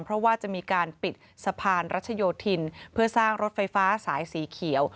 เพราะว่าจะมีการปิดสะพานรัชโยธินเพื่อสร้างรถไฟฟ้าสายสีเขียว